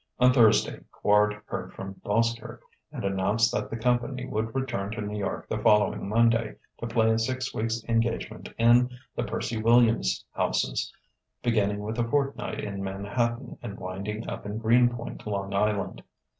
On Thursday Quard heard from Boskerk, and announced that the company would return to New York the following Monday to play a six weeks' engagement in the Percy Williams houses, beginning with a fortnight in Manhattan and winding up in Greenpoint, Long Island.